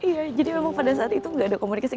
iya jadi memang pada saat itu nggak ada komunikasi